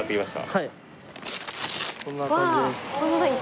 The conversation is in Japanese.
はい。